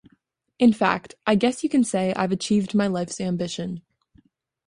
In fact, I guess you can say I've achieved my life's ambition.